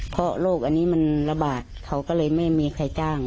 เพราะโรคอันนี้มันระบาดเขาก็เลยไม่มีใครจ้าง